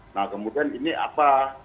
nah kemudian ini apa